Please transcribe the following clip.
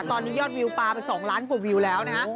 ตอนนี้ยอดวิวปลาไป๒ล้านกว่าวิวแล้วนะฮะ